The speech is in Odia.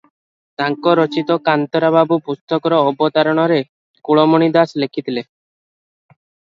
ତାଙ୍କ ରଚିତ କାନ୍ତରା ବାବୁ ପୁସ୍ତକର ଅବତାରଣାରେ କୁଳମଣି ଦାଶ ଲେଖିଥିଲେ ।